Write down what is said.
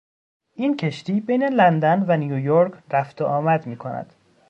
این کشتی بین لندن و نیویورک رفت و آمد میکند.